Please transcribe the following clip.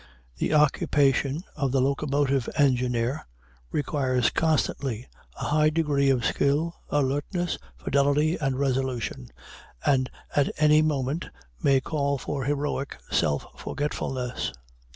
The occupation of the locomotive engineer requires constantly a high degree of skill, alertness, fidelity, and resolution, and at any moment may call for heroic self forgetfulness.